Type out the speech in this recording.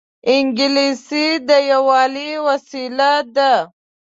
انګلیسي د یووالي وسیله ده